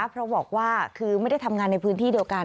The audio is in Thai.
เพราะบอกว่าคือไม่ได้ทำงานในพื้นที่เดียวกัน